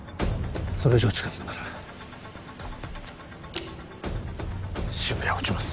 それ以上近づくなら渋谷を撃ちます